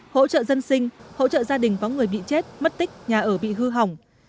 hỗ trợ dân sinh hỗ trợ gia đình có người bị chết mất tích nhà ở bị hư hỏng